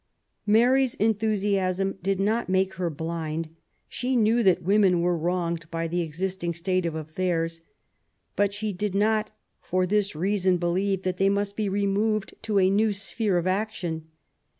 Mary's enthusiasm did not make her blind; she knew that women were wronged by the existing state of affairs; but she did not for this reason believe that they must be removed to a new sphere of action.